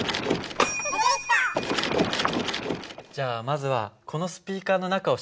じゃあまずはこのスピーカーの中を調べてみようか。